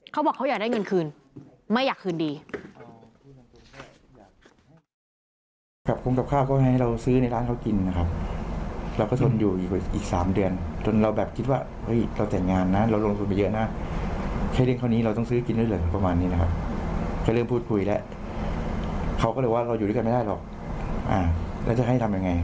เขาบอกเขาอยากได้เงินคืนไม่อยากคืนดี